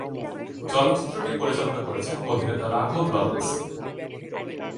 চলচ্চিত্রটি পরিচালনা করেছেন অভিনেতা রাঘব লরেন্স।